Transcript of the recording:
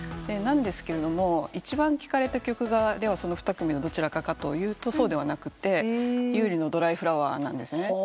なんですけれども一番聞かれた曲がその２組のどちらかかというとそうではなくて優里の『ドライフラワー』なんですね。